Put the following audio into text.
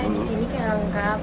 di sini kayak lengkap